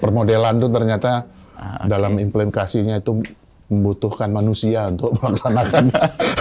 permodelan itu ternyata dalam implementasinya itu membutuhkan manusia untuk melaksanakannya